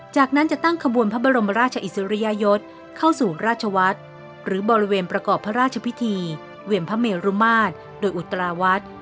จากนั้นจะตั้งขบวนพระบรมราชอิสริยยศเข้าสู่ราชวัฒน์หรือบริเวณประกอบพระราชพิธีเวียนพระเมรุมาตรโดยอุตราวัด